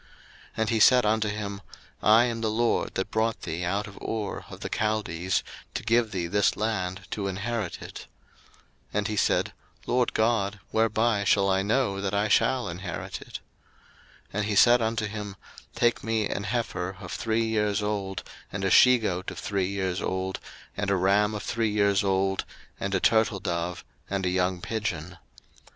01:015:007 And he said unto him, I am the LORD that brought thee out of Ur of the Chaldees, to give thee this land to inherit it. 01:015:008 And he said, LORD God, whereby shall I know that I shall inherit it? 01:015:009 And he said unto him, Take me an heifer of three years old, and a she goat of three years old, and a ram of three years old, and a turtledove, and a young pigeon.